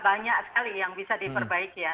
saya kira ada banyak sekali yang bisa diperbaiki ya